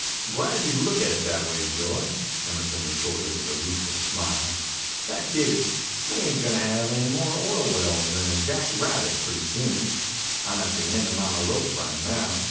"Glad you look at it that way, Joy," Emerson retorted with a rueful smile. "Fact is, we ain't goin' to have any more oil wells than a jackrabbit pretty soon. I'm at the end of my rope right now.